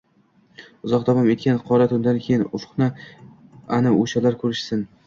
Uzoq davom etgan qaro tundan keyin, ufqni ana o`shalar ko`rishsin